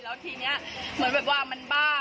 แล้วทีนี้เหมือนแบบว่ามันบ้า